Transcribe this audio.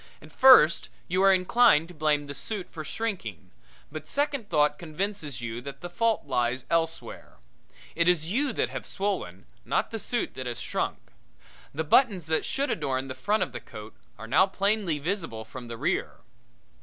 At first you are inclined to blame the suit for shrinking, but second thought convinces you that the fault lies elsewhere. It is you that have swollen, not the suit that has shrunk. The buttons that should adorn the front of the coat are now plainly visible from the rear.